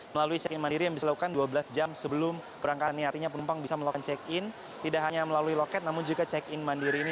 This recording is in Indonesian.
melalui check in mandiri yang bisa dilakukan dua belas jam sebelum berangkat ini artinya penumpang bisa melakukan check in tidak hanya melalui loket namun juga check in mandiri ini